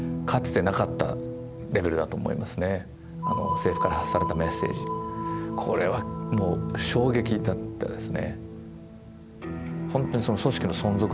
政府から発せられたメッセージこれはもう衝撃だったですね。